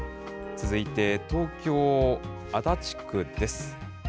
続いて東京・足立区です。